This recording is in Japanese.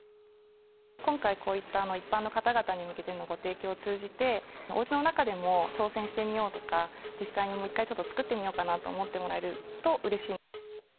今回、こういった一般の方々に向けてのご提供を通じて、おうちの中でも挑戦してみようとか、実際に１回ちょっと作ってみようかなと思ってもらえるとうれしい。